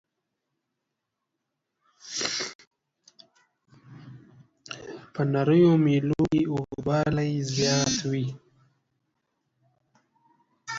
په نریو میلو کې اوږدوالی یې زیات وي.